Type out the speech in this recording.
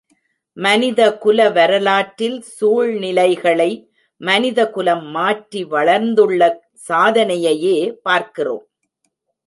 மனிதகுல வரலாற்றில் சூழ்நிலைகளை மனிதகுலம் மாற்றி வளர்ந்துள்ள சாதனையையே பார்க்கிறோம்.